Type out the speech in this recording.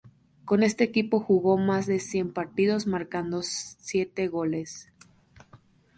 Con este equipo jugó más de cien partidos, marcando siete goles.